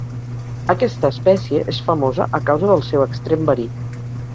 Aquesta espècie és famosa a causa del seu extrem verí.